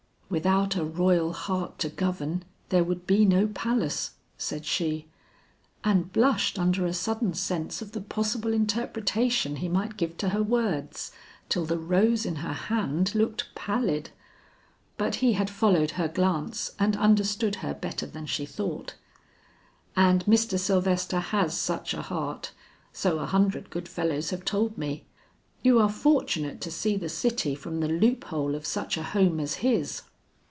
"Without a royal heart to govern, there would be no palace;" said she, and blushed under a sudden sense of the possible interpretation he might give to her words, till the rose in her hand looked pallid. But he had followed her glance and understood her better than she thought. "And Mr. Sylvester has such a heart, so a hundred good fellows have told me. You are fortunate to see the city from the loop hole of such a home as his."